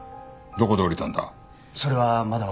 どこで降りたんだ？